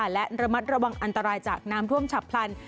และระมัดระวังอันตรายจากน้ำท่วมฉับพลัน